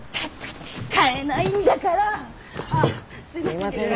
すいません。